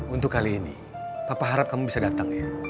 untuk kali ini apa harap kamu bisa datang ya